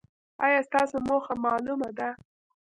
ایا ستاسو موخه معلومه ده؟